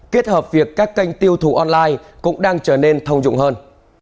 kết hợp việc các kênh tiêu thụ online cũng đang trở nên thông dụng hơn